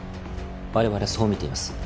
我々はそう見ています。